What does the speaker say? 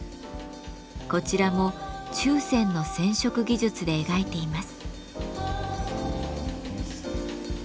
こちらも注染の染色技術で描いています。